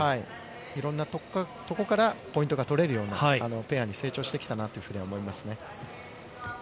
いろんな所からポイントが取れるようなペアに成長してきたなというふうに思いますね。